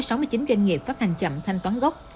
trái phiếu doanh nghiệp phát hành chậm thanh toán gốc